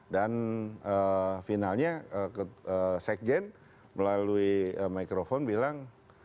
dan finalnya sekjen melalui microphone bilang